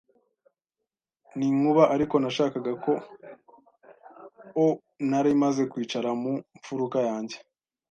“Ninkuba, ariko nashakaga ko o!” Nari maze kwicara mu mfuruka yanjye